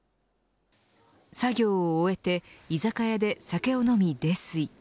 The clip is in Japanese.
作業を終えて居酒屋で酒を飲み泥酔。